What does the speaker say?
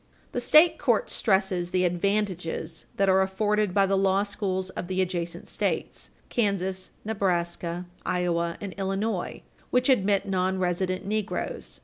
The state court stresses the advantages that are afforded by the law schools of the adjacent States Kansas, Nebraska, Iowa and Illinois which admit nonresident negroes.